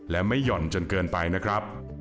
และไม่หย่อนจนเกินไปนะครับ